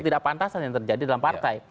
ketidakpantasan yang terjadi dalam partai